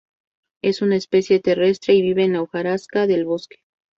Es una especie terrestre y vive en la hojarasca del bosque.